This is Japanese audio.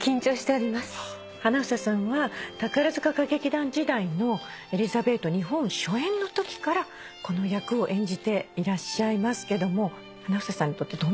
花總さんは宝塚歌劇団時代の『エリザベート』日本初演のときからこの役を演じていらっしゃいますけども花總さんにとってどんな作品ですか？